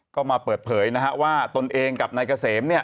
ก็มาเปิดเผยว่าตนเองกับนายเกษม